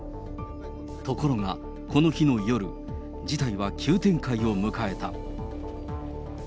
ところが、この日の夜、事態は急展開を迎えた。